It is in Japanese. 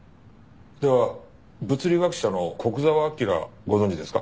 では物理学者の古久沢明ご存じですか？